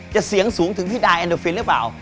เสียงสูงถึงพี่ดายแอนโดฟินหรือเปล่า